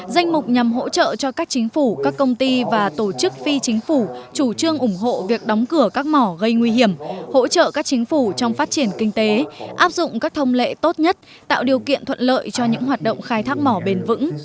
danh mục nhằm hỗ trợ cho các chính phủ các công ty và tổ chức phi chính phủ chủ trương ủng hộ việc đóng cửa các mỏ gây nguy hiểm hỗ trợ các chính phủ trong phát triển kinh tế áp dụng các thông lệ tốt nhất tạo điều kiện thuận lợi cho những hoạt động khai thác mỏ bền vững